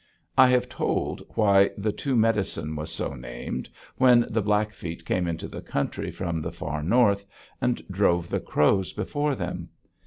I have told why the Two Medicine was so named, when the Blackfeet came into the country from the Far North, and drove the Crows before them.